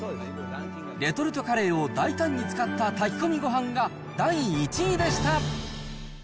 レトルトカレーを大胆に使った炊き込みご飯が第１位でした。